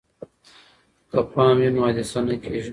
که پام وي نو حادثه نه کیږي.